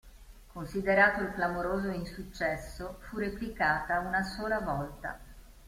Considerato il clamoroso insuccesso, fu replicata una sola volta.